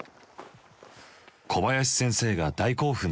小林先生が大興奮の訳。